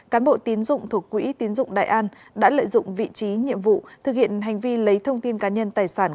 cán bộ tiến dụng thuộc quỹ tiến dụng đại an đã lợi dụng vị trí nhiệm vụ thực hiện hành vi lấy thông tin cá nhân tài sản